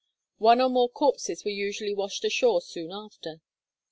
One or more corpses were usually washed ashore soon after.